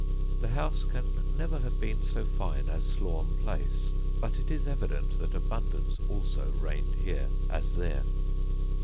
The house can never have been so fine as Slaugham Place, but it is evident that abundance also reigned here, as there.